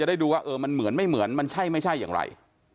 ได้ดูว่าเออมันเหมือนไม่เหมือนมันใช่ไม่ใช่อย่างไร